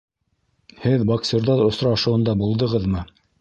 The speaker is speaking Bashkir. Һеҙ боксерҙар осрашыуында булдығыҙмы